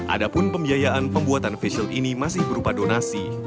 adapun pembiayaan pembuatan face shield ini masih berupa donasi